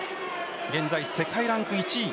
現在、世界ランク１位。